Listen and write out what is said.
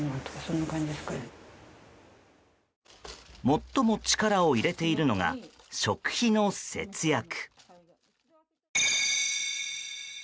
最も力を入れているのが食費の節約。